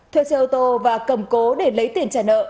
thuê xe ô tô và cầm cố để lấy tiền trả nợ